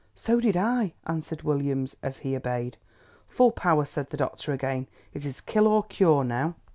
"So did I," answered Williams as he obeyed. "Full power," said the doctor again. "It is kill or cure now."